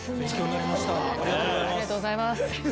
ありがとうございます。